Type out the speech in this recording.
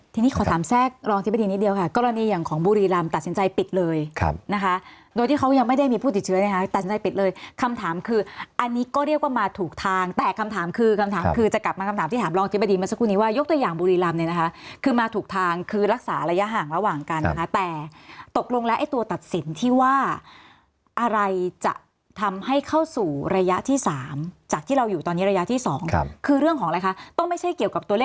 ทีนี้ขอถามแทรกรองธิบดีนิดเดียวค่ะกรณีอย่างของบุรีรำตัดสินใจปิดเลยนะคะโดยที่เขายังไม่ได้มีผู้ติดเชื้อนะคะตัดสินใจปิดเลยคำถามคืออันนี้ก็เรียกว่ามาถูกทางแต่คำถามคือคำถามคือจะกลับมาคำถามที่ถามรองธิบดีมันสักครู่นี้ว่ายกตัวอย่างบุรีรำเนี่ยนะคะคือมาถูกทางคือรักษาระยะห่างระหว่างก